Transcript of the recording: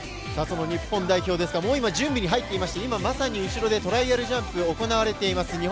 日本代表ですが、もう準備に入っていまして今、まさに後ろでトライアルジャンプが行われています。